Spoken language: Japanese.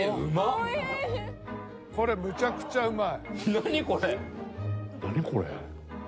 これめちゃくちゃうまい。